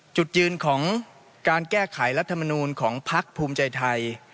จุดยืนของการแก้ไขรัฐมนูลของพักภูมิใจไทย